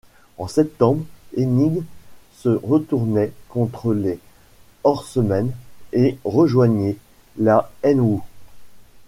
En septembre, Hennig se retournait contre les Horsemen et rejoignait la nWo.